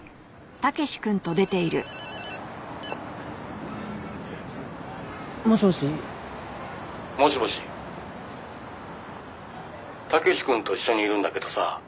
「武志くんと一緒にいるんだけどさ